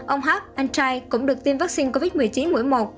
ông h anh trai cũng được tiêm vắc xin covid một mươi chín mũi một